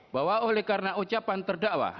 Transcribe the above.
bahwa oleh karena ucapan terdakwa